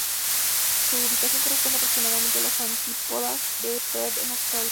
Su ubicación corresponde aproximadamente a las antípodas de Perth, en Australia.